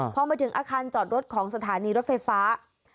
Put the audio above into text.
พอมาถึงอาคารจอดรถของสถานีรถไฟฟ้า